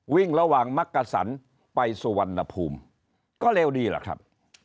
วิ่งระหว่างมักกะสันไปสุวรรณภูมิก็เร็วดีล่ะครับ